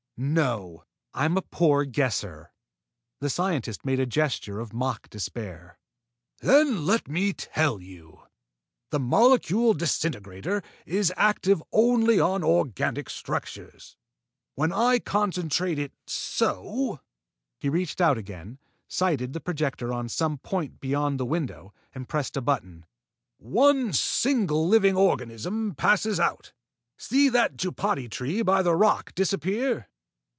"No; I'm a poor guesser." The scientist made a gesture of mock despair. "Then let me tell you. The molecule disintegrator is active only on organic structures. When I concentrate it so" he reached out again, sighted the projector on some point beyond the window and pressed a button "one single living organism passes out. See that jupati tree by the rock disappear?"